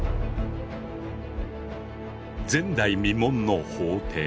前代未聞の法廷。